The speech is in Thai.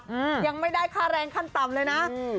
อืมยังไม่ได้ค่าแรงขั้นต่ำเลยนะอืม